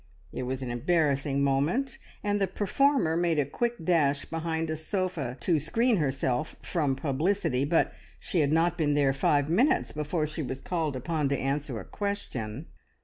It was an embarrassing moment, and the performer made a quick dash behind a sofa to screen herself from publicity, but she had not been there five minutes before she was called upon to answer a question.